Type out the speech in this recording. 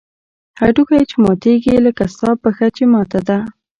هډوکى چې ماتېږي لکه ستا پښه چې ماته ده.